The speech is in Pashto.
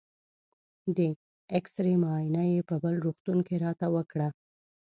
د اېکسرې معاینه یې په بل روغتون کې راته وکړه.